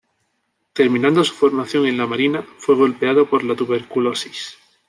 Terminando su formación en la marina, fue golpeado por la tuberculosis.